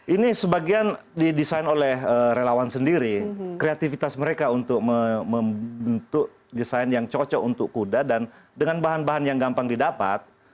ini sebagian didesain oleh relawan sendiri kreativitas mereka untuk membentuk desain yang cocok untuk kuda dan dengan bahan bahan yang gampang didapat